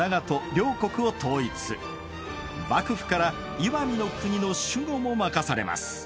幕府から石見国の守護も任されます。